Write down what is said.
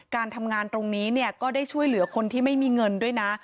การทำงานตรงนี้เนี่ยก็ได้ช่วยเหลือคนที่ไม่มีเงินด้วยนะ